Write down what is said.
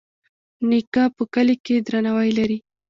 نیکه په کلي کې درناوی لري.